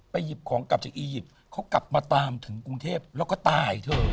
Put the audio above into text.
หยิบของกลับจากอียิปต์เขากลับมาตามถึงกรุงเทพแล้วก็ตายเถอะ